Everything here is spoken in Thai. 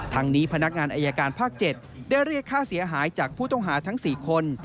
ทางนี้พนักงานอายการภาค๗ได้เรียกค่าเสียหายจากผู้ต้องหาทั้ง๔คน